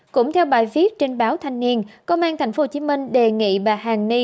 cũng theo bài viết trên báo thanh niên công an tp hcm đề nghị bà hàn ni